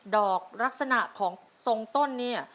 ลักษณะของทรงต้นเนี่ย